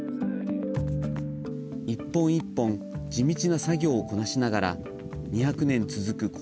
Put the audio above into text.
１本１本、地道な作業をこなしながら２００年続く